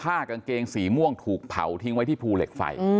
กางเกงสีม่วงถูกเผาทิ้งไว้ที่ภูเหล็กไฟ